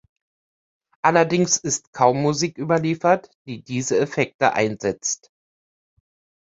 Allerdings ist kaum Musik überliefert, die diese Effekte einsetzt.